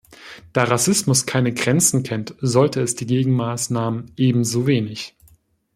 Da Rassismus keine Grenzen kennt, sollten es die Gegenmaßnahmen ebenso wenig.